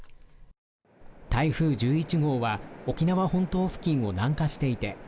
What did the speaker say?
台風１１号は沖縄本島付近を南下していて